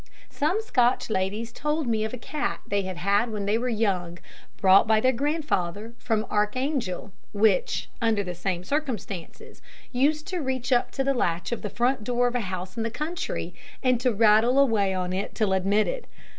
Some Scotch ladies told me of a cat they had when young, brought by their grandfather from Archangel, which, under the same circumstances, used to reach up to the latch of the front door of a house in the country, and to rattle away on it till admitted.